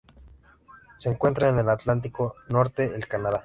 Se encuentra en el Atlántico norte: el Canadá.